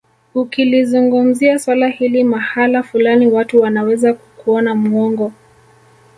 Ukilizungumzia swala hili mahala fulani watu wanaweza kukuona muongo